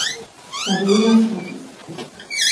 La virino silentis.